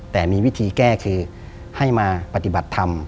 แต่มีวิธีแก้คือให้มาปฏิบัติธรรม